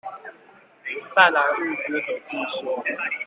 帶來物資和技術